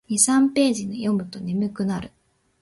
二三ページ読むと眠くなる